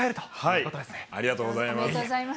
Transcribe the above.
おめでとうございます。